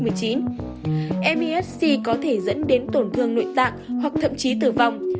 mbsc có thể dẫn đến tổn thương nội tạng hoặc thậm chí tử vong